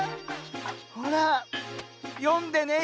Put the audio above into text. ほらよんでね